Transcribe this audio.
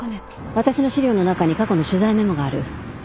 私の資料の中に過去の取材メモがある。